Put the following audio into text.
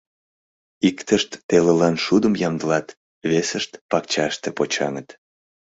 Иктышт телылан шудым ямдылат, весышт пакчаште почаҥыт.